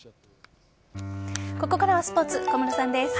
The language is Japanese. ここからはスポーツ小室さんです。